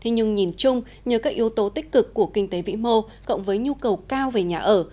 nhưng nhìn chung nhờ các yếu tố tích cực của kinh tế vĩ mô cộng với nhu cầu cao về nhà ở